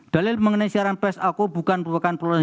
dalil mengenai siaran pesakku bukan merupakan perolahan